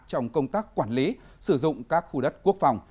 trong công tác quản lý sử dụng các khu đất quốc phòng